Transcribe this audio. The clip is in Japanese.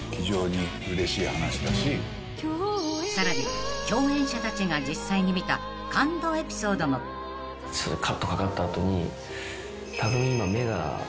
［さらに共演者たちが実際に見た感動エピソードも］みたいな。